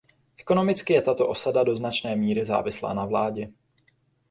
Ekonomicky je tato osada do značné míry závislá na vládě.